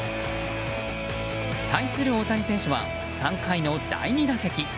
対する大谷選手は３回の第２打席。